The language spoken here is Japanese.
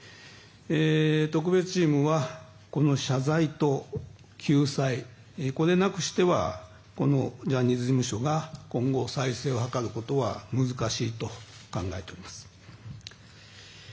特別チームは、この謝罪と救済これなくしてはジャニーズ事務所が今後、再生を図ることは難しいと考えております。